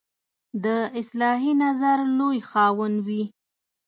د اصلاحي نظر لوی خاوند وي.